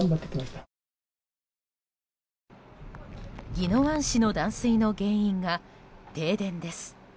宜野湾市の断水の原因が停電です。